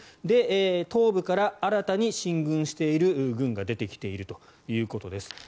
で、東部から新たに進軍している軍が出てきているということです。